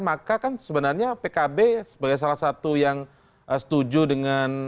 maka kan sebenarnya pkb sebagai salah satu yang setuju dengan